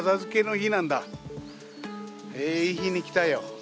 いい日に来たよ。